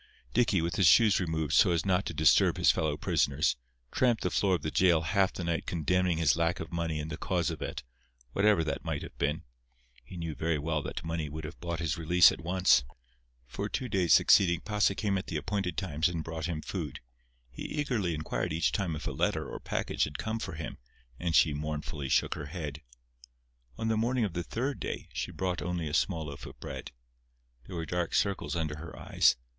Dicky, with his shoes removed so as not to disturb his fellow prisoners, tramped the floor of the jail half the night condemning his lack of money and the cause of it—whatever that might have been. He knew very well that money would have bought his release at once. For two days succeeding Pasa came at the appointed times and brought him food. He eagerly inquired each time if a letter or package had come for him, and she mournfully shook her head. On the morning of the third day she brought only a small loaf of bread. There were dark circles under her eyes.